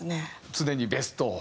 常にベストを。